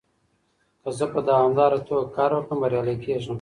که زه په دوامداره توګه کار وکړم، بريالی کېږم.